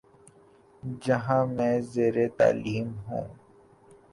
جہاں میں زیرتعلیم ہوں